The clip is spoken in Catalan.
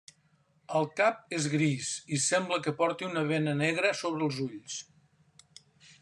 El cap és gris i sembla que porti una bena negra sobre els ulls.